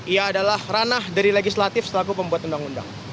ia adalah ranah dari legislatif selaku pembuat undang undang